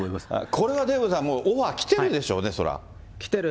これはデーブさん、もうオファー来てるでしょうね、それは。来てる、